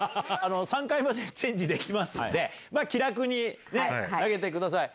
３回までチェンジできますんで気楽に投げてください。